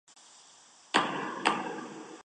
之后任中共中央中原局秘书长。